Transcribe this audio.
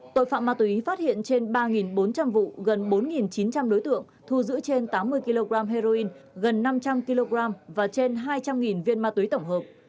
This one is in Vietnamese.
tội phạm ma túy phát hiện trên ba bốn trăm linh vụ gần bốn chín trăm linh đối tượng thu giữ trên tám mươi kg heroin gần năm trăm linh kg và trên hai trăm linh viên ma túy tổng hợp